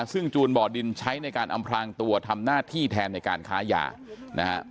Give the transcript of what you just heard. ซึ่งจูนบ่อดินใช้ในการอำพลางตัวทำหน้าที่แทนในการค้ายานะฮะ